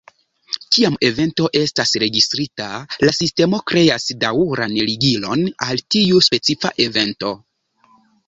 Kiam evento estas registrita, la sistemo kreas daŭran ligilon al tiu specifa evento.